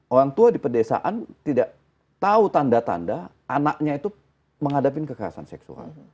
orang tua di pedesaan tidak tahu tanda tanda anaknya itu menghadapi kekerasan seksual